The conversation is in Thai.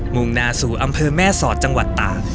งงนาสู่อำเภอแม่สอดจังหวัดตาก